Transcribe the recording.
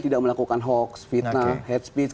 tidak melakukan hoax fitnah hate speech